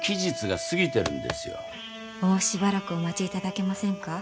もうしばらくお待ちいただけませんか？